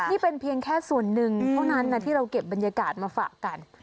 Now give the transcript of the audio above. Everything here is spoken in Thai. นี่เป็นเพียงแค่ส่วนหนึ่งเท่านั้นนะที่เราเก็บบรรยากาศมาฝากกัน